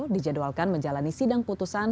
dijadwalkan menjalani sidang putusan